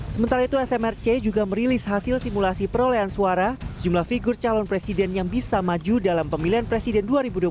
sementara itu smrc juga merilis hasil simulasi perolehan suara sejumlah figur calon presiden yang bisa maju dalam pemilihan presiden dua ribu dua puluh empat